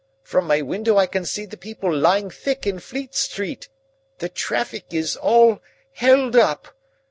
From my window I can see the people lying thick in Fleet Street. The traffic is all held up.